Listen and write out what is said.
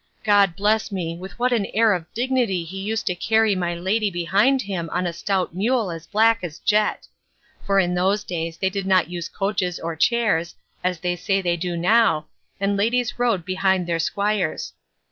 God bless me, with what an air of dignity he used to carry my lady behind him on a stout mule as black as jet! for in those days they did not use coaches or chairs, as they say they do now, and ladies rode behind their squires.